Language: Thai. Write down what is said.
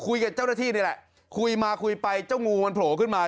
คุยกับเจ้าหน้าที่นี่แหละคุยมาคุยไปเจ้างูมันโผล่ขึ้นมา